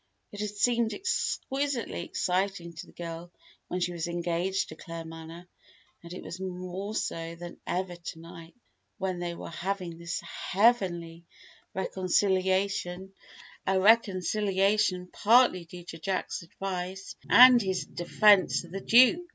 It had seemed exquisitely exciting to the girl when she was engaged to Claremanagh, and it was more so than ever to night, when they were having this heavenly reconciliation a reconciliation partly due to Jack's advice and his defence of the Duke.